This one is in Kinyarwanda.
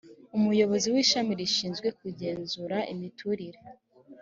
umuyobozi w ishami rishinzwe kugenzura imiturire